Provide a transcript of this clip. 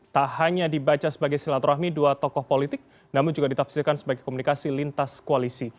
tak hanya dibaca sebagai silaturahmi dua tokoh politik namun juga ditafsirkan sebagai komunikasi lintas koalisi